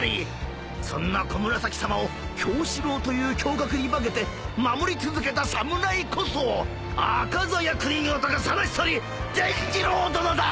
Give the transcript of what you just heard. そんな小紫さまを狂死郎という侠客に化けて守り続けた侍こそ赤鞘九人男その一人傳ジロー殿だ！